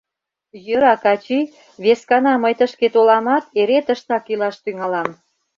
Йӧра, Качи, вескана мый тышке толамат, эре тыштак илаш тӱҥалам...